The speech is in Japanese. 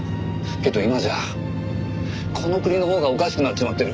けど今じゃこの国のほうがおかしくなっちまってる。